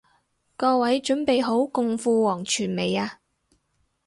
各位準備好共赴黃泉未啊？